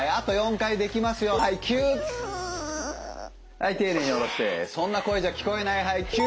はい丁寧に下ろしてそんな声じゃ聞こえないはいきゅ。